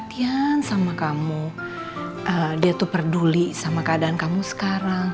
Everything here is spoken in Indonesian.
dia itu benar benar perhatian sama kamu dia itu peduli sama keadaan kamu sekarang